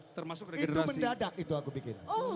itu mendadak itu aku bikin